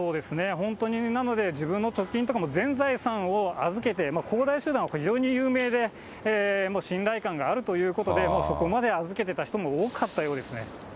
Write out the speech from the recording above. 本当に、なので、自分の貯金も全財産を預けて、恒大集団は非常に有名で信頼感があるということで、もうそこまで預けてた人も多かったようですね。